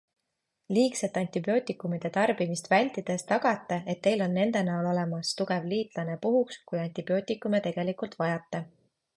Liigset antibiootikumide tarbimist vältides tagate, et teil on nende näol olemas tugev liitlane puhuks, kui antibiootikume tegelikult vajate.